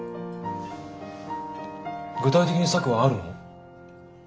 具体的に策はあるの？